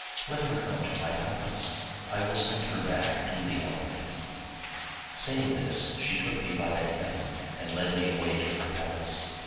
Let her come to my palace; I will send her back duly honored.' Saying this, she took me by the hand, and led me away to her pal ace.